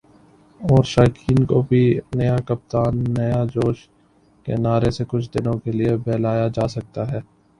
اور شائقین کو بھی "نیا کپتان ، نیا جوش" کے نعرے سے کچھ دنوں کے لیے بہلایا جاسکتا ہے ۔